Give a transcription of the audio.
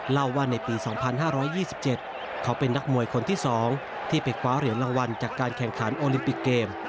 เล่าว่าในปี๒๕๒๗เขาเป็นนักมวยคนที่๒ที่ไปคว้าเหรียญรางวัลจากการแข่งขันโอลิมปิกเกม